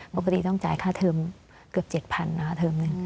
ปกติต้องจ่ายค่าเทิมเกือบ๗๐๐นะคะเทอมหนึ่ง